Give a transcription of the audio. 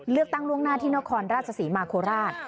เลือกตั้งล่วงหน้าที่นครราชศรีมาโคราช